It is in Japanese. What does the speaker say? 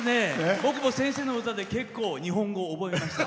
僕も先生の歌で結構、日本語を覚えました。